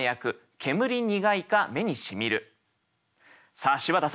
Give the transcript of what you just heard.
さあ柴田さん